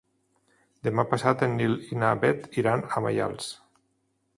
Demà passat en Nil i na Bet iran a Maials.